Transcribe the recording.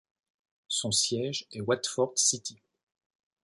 Son siège est Watford City.